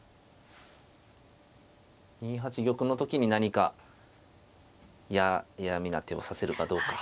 ２八玉の時に何か嫌みな手を指せるかどうか。